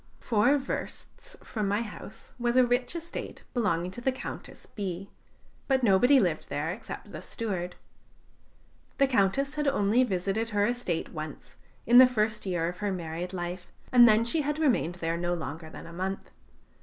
Four versts from my house was a rich estate belonging to the Countess B ; but nobody lived there except the steward. The Countess had only visited her estate once, in the first year of her married life, and then she had remained there no longer than a month.